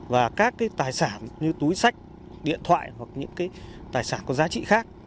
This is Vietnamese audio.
và các tài sản như túi sách điện thoại hoặc những tài sản có giá trị khác